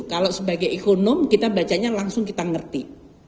kalau sebagai ekonom kita bacanya langsung kita ngerti